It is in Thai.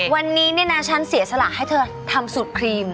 วันนี้เนี่ยนะฉันเสียสละให้เธอทำสูตรครีม